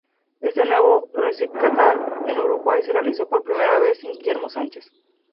Este nuevo recital en Uruguay se realizó por primera vez sin Guillermo Sánchez.